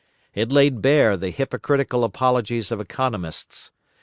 It laid bare the hypocritical apologies of economists.